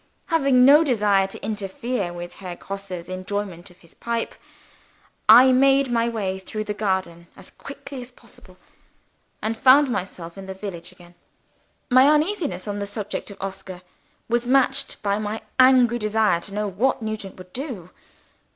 Having no desire to interfere with Herr Grosse's enjoyment of his pipe, I made my way through the garden as quickly as possible, and found myself in the village again. My uneasiness on the subject of Oscar, was matched by my angry desire to know what Nugent would do.